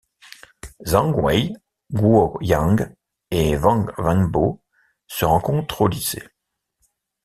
Zhang Wei, Guo Yang, et Wang Wenbo se rencontrent au lycée.